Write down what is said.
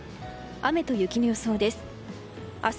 雨と雪の予想です。